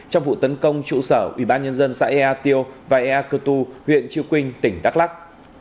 trong vụ tấn công trụ sở ủy ban nhân dân xã ea tiêu và ea cơ tu huyện triều quynh tỉnh đắk lắc